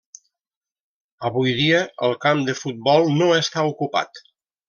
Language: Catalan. Avui dia el camp de futbol no està ocupat.